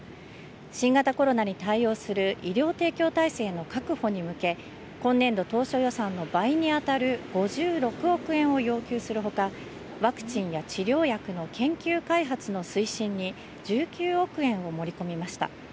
新型コロナに対応する医療提供体制の確保に向け、今年度当初予算の倍に当たる５６億円を要求するほか、ワクチンや治療薬の研究開発の推進に１９億円を盛り込みました。